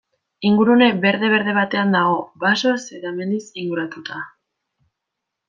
Ingurune berde-berde batean dago, basoz eta mendiz inguratuta.